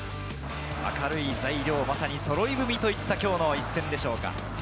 明るい材料そろい踏みといった一戦でしょうか。